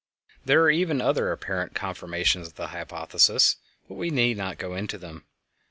There are even other apparent confirmations of the hypothesis, but we need not go into them.